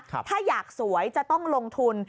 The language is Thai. ถ้าอยากสวยจะต้องลงทุน